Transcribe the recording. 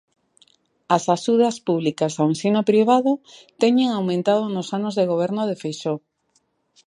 As axudas públicas ao ensino privado teñen aumentado nos anos de Goberno de Feixóo.